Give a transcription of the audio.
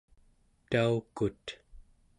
taukut